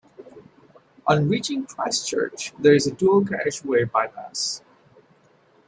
On reaching Christchurch, there is a dual-carriageway bypass.